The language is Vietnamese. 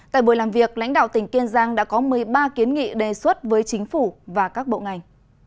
tại buổi làm việc lãnh đạo tỉnh kiên giang đã có một mươi ba kiến nghị đề xuất với chính phủ và các bộ ngành